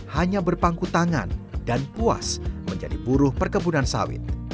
hanya berpangku tangan dan puas menjadi buruh perkebunan sawit